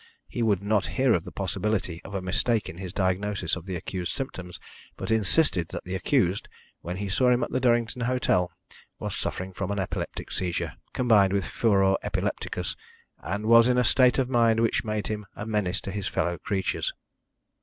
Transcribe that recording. He would not hear of the possibility of a mistake in his diagnosis of the accused's symptoms, but insisted that the accused, when he saw him at the Durrington hotel, was suffering from an epileptic seizure, combined with furor epilepticus, and was in a state of mind which made him a menace to his fellow creatures.